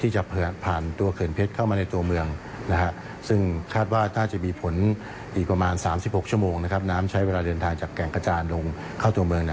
๓๖ชั่วโมงนะครับน้ำใช้เวลาเดินทางจากแก่งกระจานลงเข้าตัวเมือง